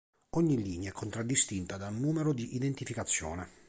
Ogni linea è contraddistinta da un numero di identificazione.